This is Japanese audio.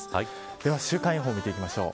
では週間予報を見ていきましょう。